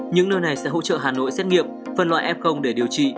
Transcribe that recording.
những nơi này sẽ hỗ trợ hà nội xét nghiệm phân loại f để điều trị